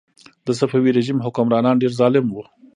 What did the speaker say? د صفوي رژیم حکمرانان ډېر ظالم وو.